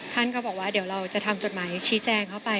ท่านก็บอกว่าเดี๋ยวเราจะทำจดหมายชี้แจงเข้าไป